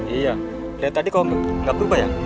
iya dari tadi kok nggak berubah ya